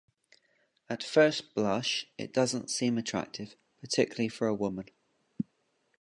At first blush, it doesn't seem attractive, particularly for a woman.